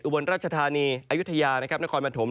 อุบรรณรัชฐานีอายุธยานครบัตถม